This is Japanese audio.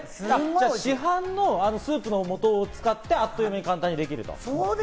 じゃあ市販のスープの素を使ってあっという間に簡単にできると。